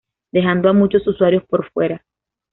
Dejando a muchos usuarios por fuera.